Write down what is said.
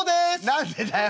「何でだよ！